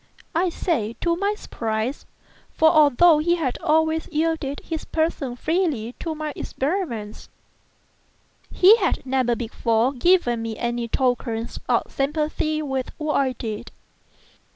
I say to my surprise, for, although he had always yielded his person freely to my experiments, he had never before given me any tokens of sympathy with what I did.